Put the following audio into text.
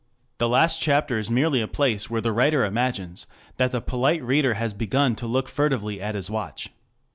The last chapter is merely a place where the writer imagines that the polite reader has begun to look furtively at his watch.